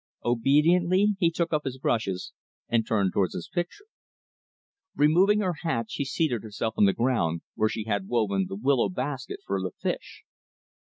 Obediently, he took up his brushes, and turned toward his picture. Removing her hat, she seated herself on the ground, where she had woven the willow basket for the fish.